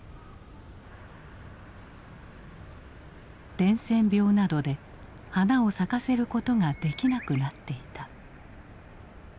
伝染病などで花を咲かせることができなくなっていた。